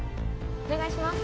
お願いします。